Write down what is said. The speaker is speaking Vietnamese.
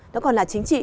nó còn là chính trị